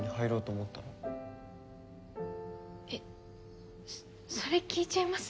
えっそれ聞いちゃいます？